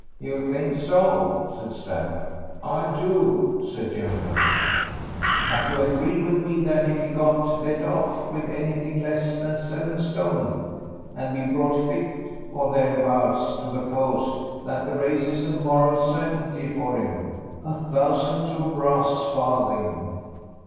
"You think so?" said Stack. "I do," said Journeyman. "But you agree with me that if he got let off with anything less than seven stone, and be brought fit, or thereabouts, to the post, that the race is a moral certainty for him?" "A thousand to a brass farthing."